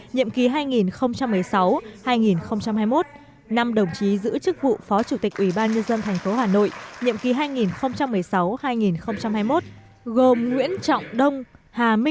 nhiệm ký hai nghìn một mươi sáu hai nghìn hai mươi một năm đồng chí giữ chức vụ phó chủ tịch ủy ban nhân dân tp hà nội nhiệm ký hai nghìn một mươi sáu hai nghìn hai mươi một gồm nguyễn trọng đông hà minh